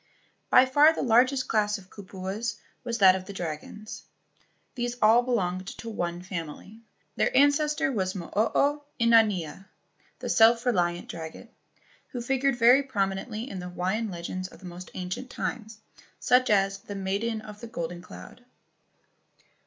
By far the largest class of kupuas was that of the dragons. These all belonged to one family. Their ancestor was Mo o inanea (The Self reliant Dragon), who figured very promi¬ nently in the Hawaiian legends of the most ancient times, such as "The Maiden of the Golden Cloud."